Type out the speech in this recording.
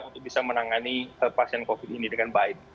untuk bisa menangani pasien covid ini dengan baik